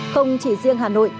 không chỉ riêng hà nội